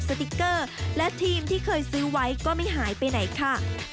สติ๊กเกอร์และทีมที่เคยซื้อไว้ก็ไม่หายไปไหนค่ะ